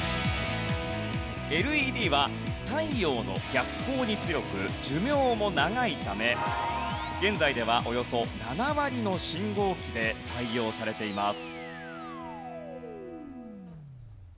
ＬＥＤは太陽の逆光に強く寿命も長いため現在ではおよそ７割の信号機で採用されています。